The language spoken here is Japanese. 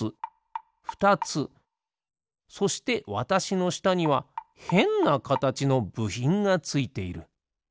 そしてわたしのしたにはへんなかたちのぶひんがついている。